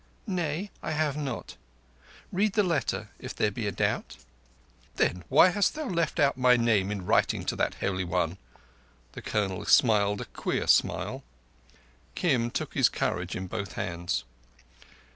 "Nay, I have not. Read the letter, if there be a doubt." "Then why hast thou left out my name in writing to that Holy One?" The Colonel smiled a queer smile. Kim took his courage in both hands.